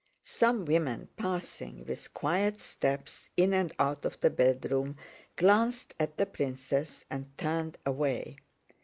Some women passing with quiet steps in and out of the bedroom glanced at the princess and turned away.